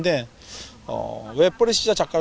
dan kami juga ingin menikmati pertandingan